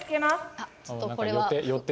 あっちょっとこれは。予定。